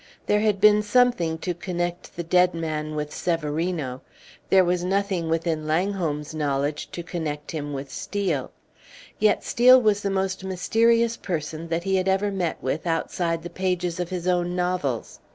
There had been something to connect the dead man with Severino. There was nothing within Langholm's knowledge to connect him with Steel. Yet Steel was the most mysterious person that he had ever met with outside the pages of his own novels.